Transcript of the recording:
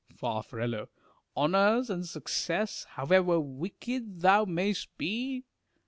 Far. Honours and success, however wicked thou mayst be